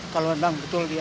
kalau memang betul dia